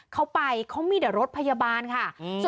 เข้าไปเขามีเดี๋ยวรถพยาบาลค่ะอืม